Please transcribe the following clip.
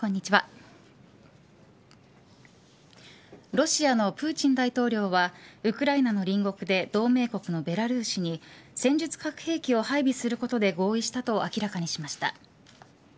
ロシアのプーチン大統領はウクライナの隣国で同盟国のベラルーシに戦術核兵器を配備することで合意したと明らかにしました。